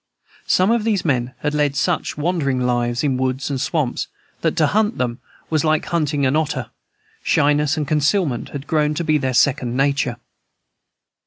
Some of these men had led such wandering lives, in woods and swamps, that to hunt them was like hunting an otter; shyness and concealment had grown to be their second nature.